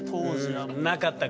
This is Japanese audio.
なかったか。